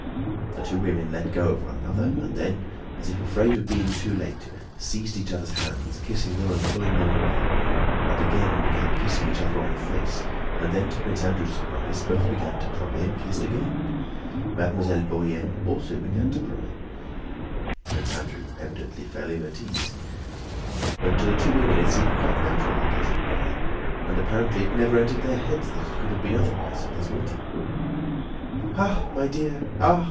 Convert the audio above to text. The two women let go of one another, and then, as if afraid of being too late, seized each other's hands, kissing them and pulling them away, and again began kissing each other on the face, and then to Prince Andrew's surprise both began to cry and kissed again. Mademoiselle Bourienne also began to cry. Prince Andrew evidently felt ill at ease, but to the two women it seemed quite natural that they should cry, and apparently it never entered their heads that it could have been otherwise at this meeting. "Ah! my dear!... Ah!